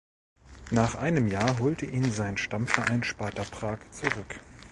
Nach einem Jahr holte ihn sein Stammverein Sparta Prag zurück.